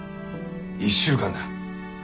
１週間だ。